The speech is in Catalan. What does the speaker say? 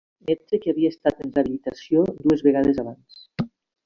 Va admetre que havia estat en rehabilitació dues vegades abans.